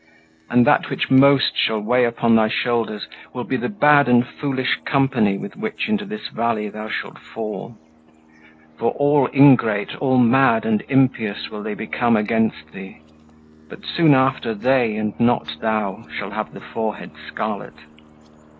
And that which most shall weigh upon thy shoulders Will be the bad and foolish company With which into this valley thou shalt fall; For all ingrate, all mad and impious Will they become against thee; but soon after They, and not thou, shall have the forehead scarlet.